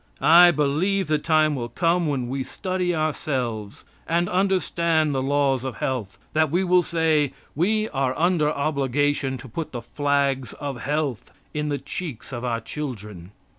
I believe the time will come when we study ourselves, and understand the laws of health, that we will say, "We are under obligation to put the flags of health in the cheeks of our children."